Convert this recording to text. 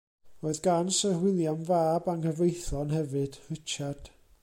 Roedd gan Syr William fab anghyfreithlon hefyd, Richard.